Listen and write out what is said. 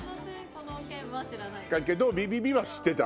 けど「ビビビ」は知ってた？